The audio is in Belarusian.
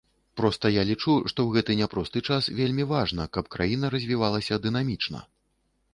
Проста я лічу, што ў гэты няпросты час вельмі важна, каб краіна развівалася дынамічна.